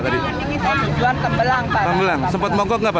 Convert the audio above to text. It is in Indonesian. tadi sempat mogok nggak pak